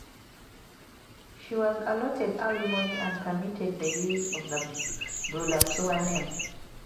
She was allotted alimony and permitted the use of the Brulatour name.